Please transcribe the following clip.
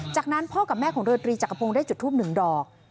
จากนั้นพ่อกับแม่ของเรือตรีจักรพงศ์ได้จุดทูปหนึ่งดอก